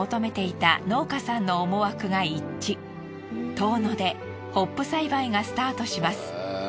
遠野でホップ栽培がスタートします。